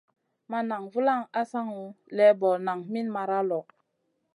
Ma nan vulaŋ asaŋu lébo naŋ min mara lo.